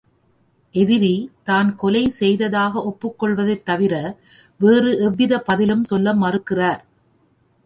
எதிரி தான் கொலை செய்ததாக ஒப்புக்கொள்வதைத் தவிர வேறு எவ்வித பதிலும் சொல்ல மறுக்கிறார்.